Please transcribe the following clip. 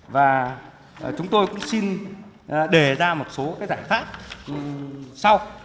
và chúng tôi cũng xin đề ra một số cái giải pháp sau